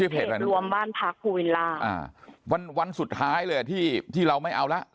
เพจรวมบ้านพักภูวินราวันสุดท้ายเลยที่เราไม่เอาแล้ว